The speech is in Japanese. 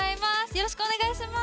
よろしくお願いします。